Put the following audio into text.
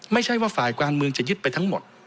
ไม่ใช่ว่าฝ่ายการเมืองจะยึดไปทั้งหมด